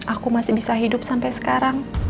aku masih bisa hidup sampai sekarang